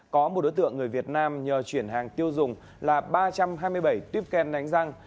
có một đối tượng người việt nam nhờ chuyển hàng tiêu dùng là ba trăm hai mươi bảy tiếp kè nánh răng